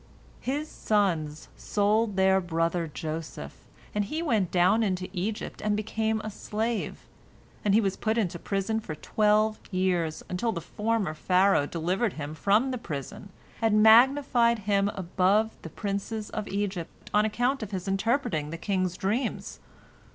"His sons sold their brother Joseph, and he went down into Egypt and became a slave, and he was put into prison for twelve years, until the former Pharaoh delivered him from the prison, and magnified him above all the princes of Egypt on account of his interpreting the king's dreams.